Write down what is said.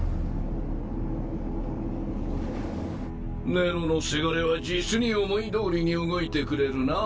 ネロのせがれは実に思い通りに動いてくれるなぁ。